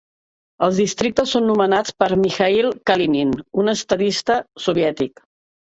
Els districtes són nomenats per Mikhail Kalinin, un estadista soviètic.